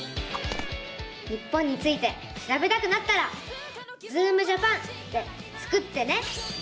日本についてしらべたくなったら「ズームジャパン」でスクってね！